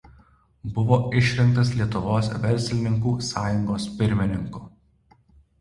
Buvo išrinktas Lietuvos verslininkų sąjungos pirmininku.